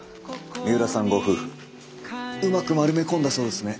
三浦さんご夫婦うまく丸め込んだそうですね。